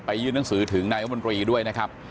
ไปยืนหนังสือถึงนายอบริด้วยนะครับ